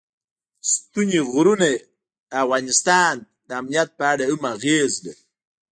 ستوني غرونه د افغانستان د امنیت په اړه هم اغېز لري.